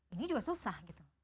ini juga susah gitu